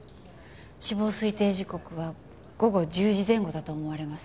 死亡推定時刻は午後１０時前後だと思われます。